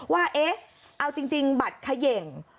ว่าเอ๊ะเอาจริงบัตรเขย่ง